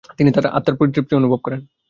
তিনি আত্মার তৃপ্তি অনুভব করতেন।